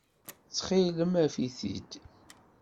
Ttxil-m, af-it-id.